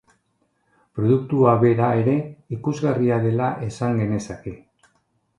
Produktua bera ere ikusgarria dela esan genezake.